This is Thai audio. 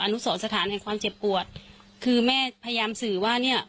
นุสรสถานแห่งความเจ็บปวดคือแม่พยายามสื่อว่าเนี่ย